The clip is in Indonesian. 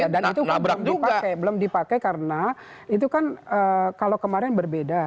dan itu belum dipakai karena itu kan kalau kemarin berbeda